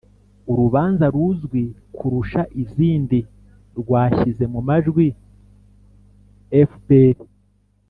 urubanza ruzwi kurusha izindi rwashyize mu majwi fpr